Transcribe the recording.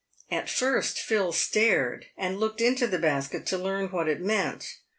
At first Phil stared, and looked into the basket to learn what it meant.